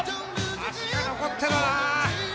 足が残ってるなあ。